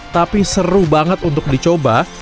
tapi seru banget untuk dicoba